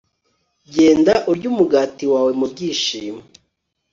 genda urye umugati wawe mu byishimo